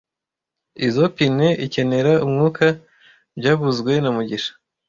Izoi pine ikenera umwuka byavuzwe na mugisha